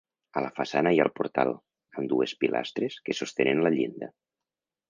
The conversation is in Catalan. A la façana hi ha el portal, amb dues pilastres que sostenen la llinda.